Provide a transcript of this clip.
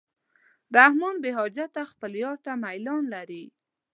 رحمان بېحجته خپل یار ته میلان لري.